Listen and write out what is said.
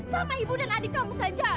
sama ibu dan adik kamu saja